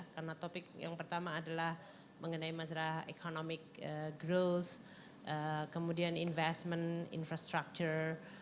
karena topik yang pertama adalah mengenai masalah economic growth kemudian investment infrastructure